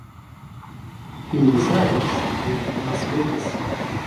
He resides in Las Vegas.